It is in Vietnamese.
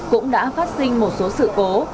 cũng đã phát sinh một số sự cố